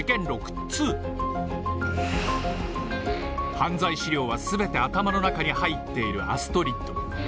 犯罪資料はすべて頭の中に入っているアストリッド。